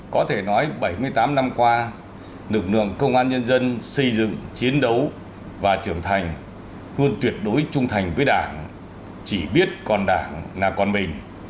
có thể nói bảy mươi tám năm qua lực lượng công an nhân dân xây dựng chiến đấu và trưởng thành luôn tuyệt đối trung thành với đảng chỉ biết còn đảng là còn mình